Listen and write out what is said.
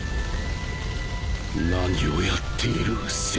何をやっている拙者